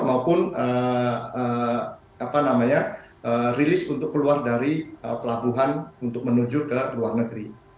maupun rilis untuk keluar dari pelabuhan untuk menuju ke luar negeri